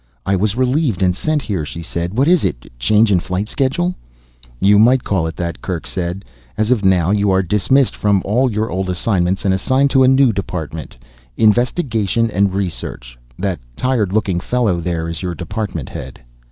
"I was relieved and sent here," she said. "What is it? Change in flight schedule?" "You might call it that," Kerk said. "As of now you are dismissed from all your old assignments and assigned to a new department: Investigation and Research. That tired looking fellow there is your department head."